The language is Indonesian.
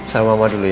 sama mama dulu ya